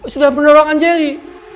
sudah menolong angel li